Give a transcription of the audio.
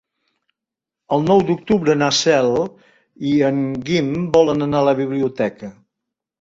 El nou d'octubre na Cel i en Guim volen anar a la biblioteca.